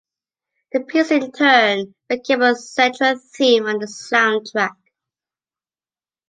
The piece, in turn, became a central theme on the soundtrack.